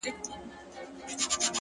• د بادار کور ,